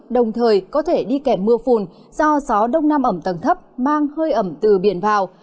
đồng thời có thể đi kèm mưa phùn do gió đông nam ẩm tầng thấp mang hơi ẩm từ biển vào